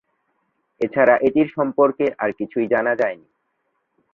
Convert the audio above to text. এছাড়া এটির সম্পর্কে আর কিছুই জানা যায়নি।